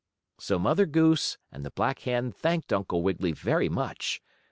So Mother Goose and the black hen thanked Uncle Wiggily very much.